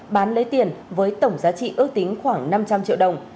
bán lấy tiền với tổng giá trị ước tính khoảng năm trăm linh triệu đồng